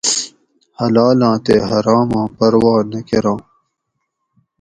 حلالاں تے حراماں پروا نہ کراں